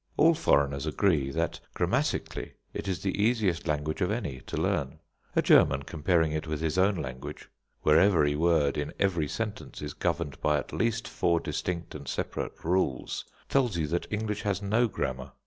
All foreigners agree that, grammatically, it is the easiest language of any to learn. A German, comparing it with his own language, where every word in every sentence is governed by at least four distinct and separate rules, tells you that English has no grammar.